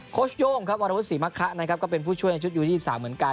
โคชโย่งวรพุธศรีมะคะเป็นผู้ช่วยในชุดยูที่๒๓เหมือนกัน